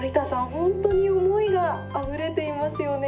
本当に思いがあふれていますよね。